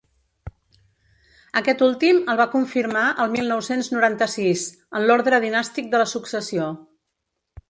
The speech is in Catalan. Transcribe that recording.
Aquest últim el va confirmar el mil nou-cents noranta-sis en l’ordre dinàstic de la successió.